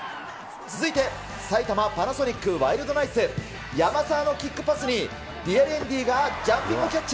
続いて、埼玉パナソニックワイルドナイツ、山沢のキックパスに、ディアリエンディがジャンピングキャッチ。